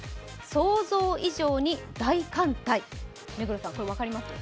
想像以上に大艦隊、目黒さん、これ分かります？